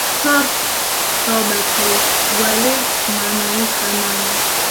tor robert wile makinika nami